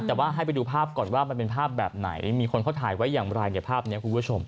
แต่ว่าให้ไปดูภาพก่อนว่ามันเป็นภาพแบบไหนมีคนเขาถ่ายไว้อย่างไรเนี่ยภาพนี้คุณผู้ชม